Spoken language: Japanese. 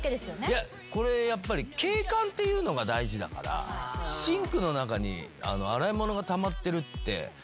いやこれやっぱり景観っていうのが大事だからシンクの中に洗い物がたまってるって。